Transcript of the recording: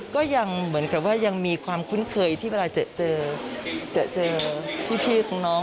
ก็ยังเหมือนกับว่ายังมีความคุ้นเคยที่เวลาจะเจอพี่ของน้อง